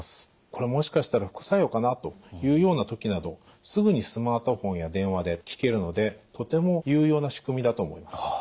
「これもしかしたら副作用かな？」というような時などすぐにスマートフォンや電話で聞けるのでとても有用な仕組みだと思います。